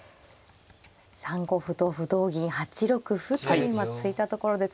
３五歩同歩同銀８六歩と今突いたところです。